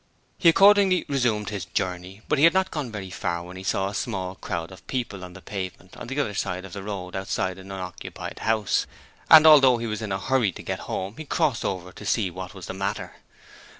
He accordingly resumed his journey, but he had not gone very far when he saw a small crowd of people on the pavement on the other side of the road outside an unoccupied house, and although he was in a hurry to get home he crossed over to see what was the matter.